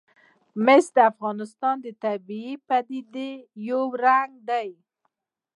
مس د افغانستان د طبیعي پدیدو یو رنګ دی.